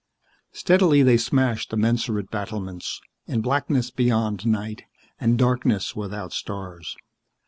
] Steadily they smashed the mensurate battlements, in blackness beyond night and darkness without stars.